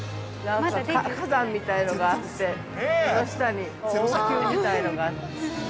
◆なんか火山みたいなのがあってその下に王宮みたいなのがあって。